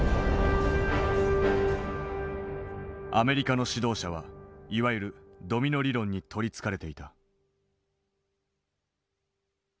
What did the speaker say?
アメリカの指導者はいわゆるドミノ理論に取りつかれていた。